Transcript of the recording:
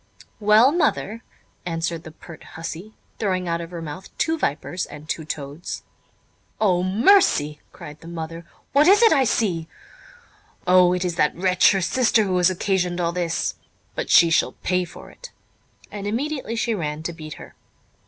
"Well, mother?" answered the pert hussey, throwing out of her mouth two vipers and two toads. "O mercy!" cried the mother, "what is it I see! O, it is that wretch her sister who has occasioned all this; but she shall pay for it"; and immediately she ran to beat her.